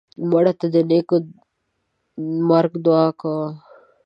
مړه ته د نیک مرګ دعا کوو